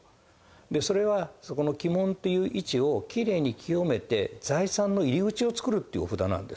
でそれはそこの鬼門っていう位置をきれいに清めて財産の入り口を作るっていうお札なんです。